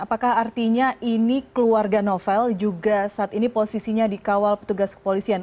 apakah artinya ini keluarga novel juga saat ini posisinya dikawal petugas kepolisian